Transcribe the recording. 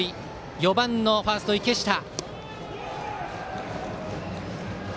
４番のファースト、池下です。